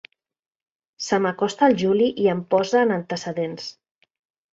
Se m'acosta el Juli i em posa en antecedents.